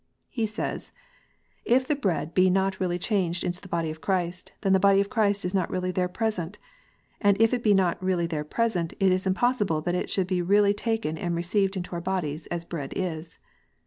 He says, " If the bread be not really changed into the body of Christ, then the body of Christ is not really there present ; and if it be not really there present, it is impossible that it should be really taken and received into our bodies, as bread is."